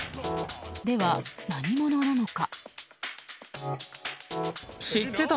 では、何者なのか。